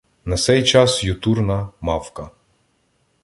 На сей час Ютурна – мавка